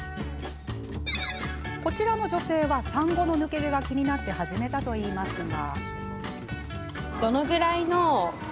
こちらの女性は、産後の抜け毛が気になって始めたといいますが。